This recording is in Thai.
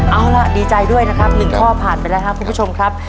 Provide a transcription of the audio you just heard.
เอาล่ะดีใจด้วยนะครับ๑ข้อผ่านไปแล้วครับคุณผู้ชมครับ